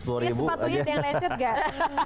sepatunya dia lecet nggak